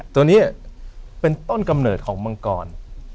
ตัวนี้เป็นต้นกำเนิดของมังกร